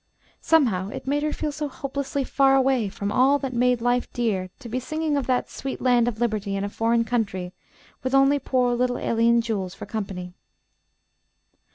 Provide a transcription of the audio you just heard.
Somehow it made her feel so hopelessly far away from all that made life dear to be singing of that "sweet land of liberty" in a foreign country, with only poor little alien Jules for company.